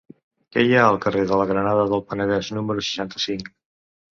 Què hi ha al carrer de la Granada del Penedès número seixanta-cinc?